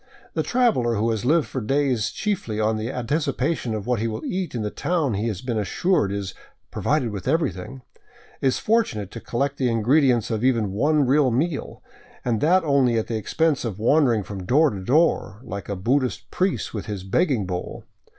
The traveler who has lived for days chiefly on the anticipation of what he will eat in the town he has been assured is provided with everything," is fortunate to collect the ingredients of even one real meal, and that only at the expense of wandering from door to door, like a Buddhist priest with his begging bowl.